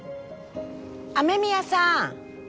雨宮さん。